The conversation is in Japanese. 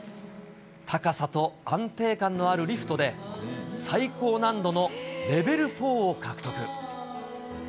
高さと安定感のあるリフトで、最高難度のレベル４を獲得。